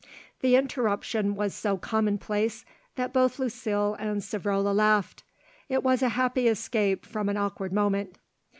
The interruption was so commonplace that both Lucile and Savrola laughed. It was a happy escape from an awkward moment.